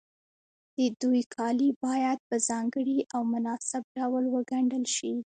د دوی کالي باید په ځانګړي او مناسب ډول وګنډل شي.